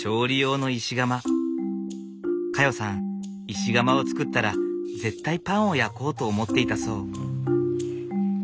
石窯を作ったら絶対パンを焼こうと思っていたそう。